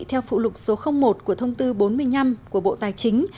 theo phụ lục số một của thông tư bốn mươi năm của bộ tài chính